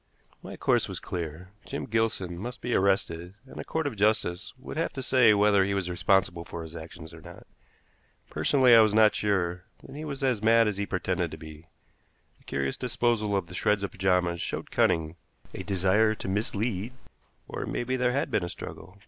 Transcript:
My course was clear. Jim Gilson must be arrested, and a court of justice would have to say whether he was responsible for his actions or not. Personally, I was not sure that he was as mad as he pretended to be. The curious disposal of the shreds of pajamas showed cunning, a desire to mislead, or it may be there had been a struggle.